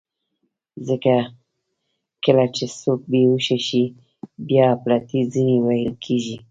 ځکه کله چې څوک بېهوښه شي، بیا اپلتې ځینې ویل کېږي.